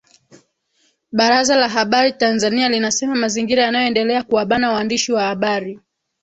Baraza la Habari Tanzania linasema mazingira yanayoendelea kuwabana waandishi wa habari